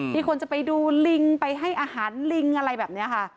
คนจะไปดูลิงไปให้อาหารลิงอะไรแบบนี้ค่ะ